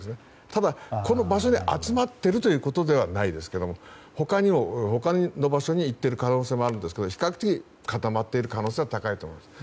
ただ、この場所で集まっているということではないですが他の場所に行っている可能性もありますが比較的、固まっている可能性は高いと思います。